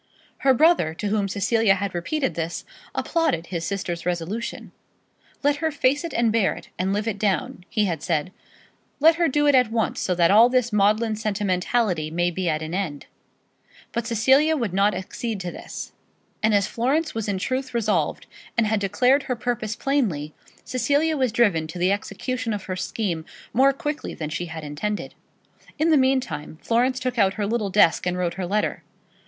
Her brother, to whom Cecilia had repeated this, applauded his sister's resolution. "Let her face it and bear it, and live it down," he had said. "Let her do it at once, so that all this maudlin sentimentality may be at an end." But Cecilia would not accede to this, and as Florence was in truth resolved, and had declared her purpose plainly, Cecilia was driven to the execution of her scheme more quickly than she had intended. In the meantime, Florence took out her little desk and wrote her letter.